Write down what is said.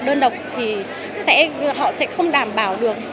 đơn độc thì họ sẽ không đảm bảo được